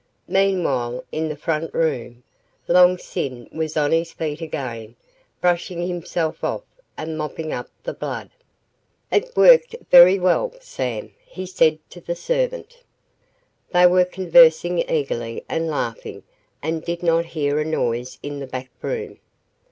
Meanwhile in the front room, Long Sin was on his feet again brushing himself off and mopping up the blood. "It worked very well, Sam," he said to the servant. They were conversing eagerly and laughing and did not hear a noise in the back room.